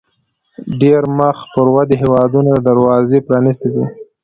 ډېری مخ پر ودې هیوادونو دروازې پرانیستې دي.